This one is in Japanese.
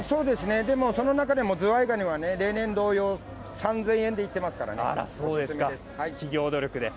でもその中でもずわいがには例年同様３０００円でいっていますから、オススメです。